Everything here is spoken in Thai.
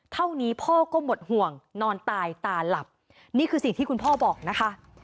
เท่านี้พ่อก็หมดห่วงนอนตายตาหลับนี่คือสิ่งที่คุณพ่อบอกนะคะ